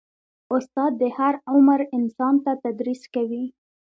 استاد د هر عمر انسان ته تدریس کوي.